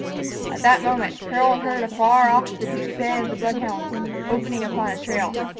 At that moment, Harold heard afar off the deep bay of the blood hounds, opening upon a trail.